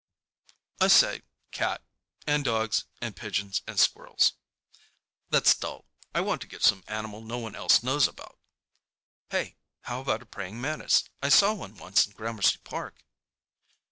I say, "Cat. And dogs and pigeons and squirrels." "That's dull. I want to get some animal no one else knows about." "Hey, how about a praying mantis? I saw one once in Gramercy Park."